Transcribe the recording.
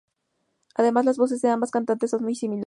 Además, las voces de ambas cantantes son muy similares.